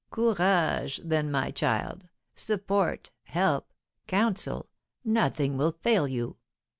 Courage, then, my child! Support, help, counsel, nothing will fail you.